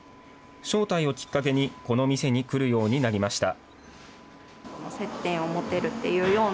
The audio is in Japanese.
招待をきっかけに、この店に来るようになりました。